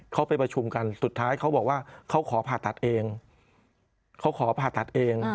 เขาไปประชุมกันสุดท้ายเขาบอกว่าเขาขอผ่าตัดเอง